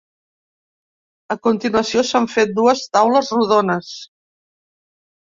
A continuació s’han fet dues taules rodones.